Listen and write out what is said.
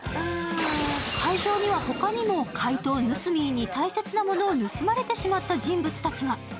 会場にはほかにも怪盗ヌスミーに大切なものを盗まれてしまった人物が。